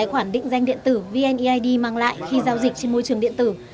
tài khoản định danh điện tử vneid mang lại khi giao dịch trên môi trường điện tử